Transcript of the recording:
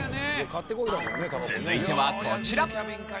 続いてはこちら。